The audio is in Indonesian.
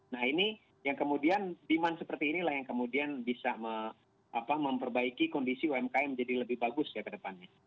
nah ini yang kemudian demand seperti inilah yang kemudian bisa memperbaiki kondisi umkm jadi lebih bagus ya ke depannya